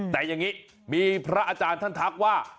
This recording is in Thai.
แต่อย่างนี้มีพระอาจารย์ท่านทักว่า